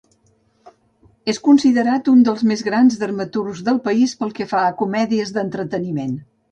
És considerat un dels més grans dramaturgs del país pel que fa a comèdies d'entreteniment.